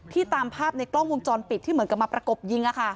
ตามภาพในกล้องวงจรปิดที่เหมือนกับมาประกบยิง